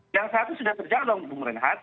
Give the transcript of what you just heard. yang satu sudah terjawab bumren hat